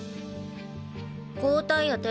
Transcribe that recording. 交代やて。